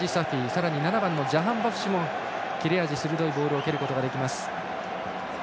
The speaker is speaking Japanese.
さらに７番のジャハンバフシュも切れ味鋭いボールを蹴ることができます。